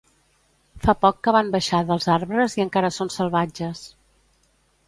Fa poc que van baixar dels arbres i encara són salvatges